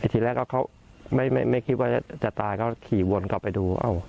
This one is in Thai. ทีแรกก็เขาไม่ไม่ไม่ไม่คิดว่าจะจะตายก็ขี่วนกลับไปดูอ้าว